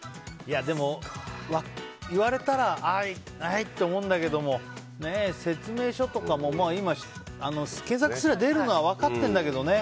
でも、言われたらはいって思うけど説明書とかも今、検索すれば出るのは分かってんだけどね。